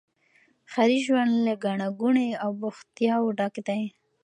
ښاري ژوند له ګڼي ګوڼي او بوختياوو ډک دی.